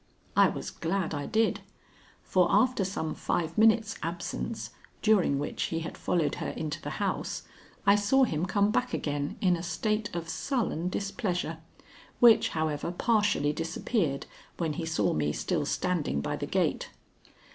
I was glad I did, for after some five minutes' absence, during which he had followed her into the house, I saw him come back again in a state of sullen displeasure, which, however, partially disappeared when he saw me still standing by the gate.